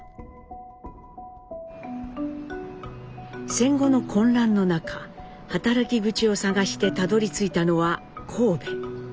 戦後の混乱の中働き口を探してたどりついたのは神戸。